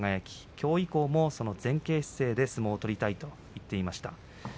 きょう以降も前傾姿勢で相撲を取りたいと言っていました。